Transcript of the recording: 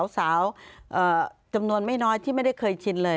สาวจำนวนไม่น้อยที่ไม่ได้เคยชินเลย